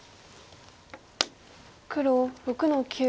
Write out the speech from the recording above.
黒６の九。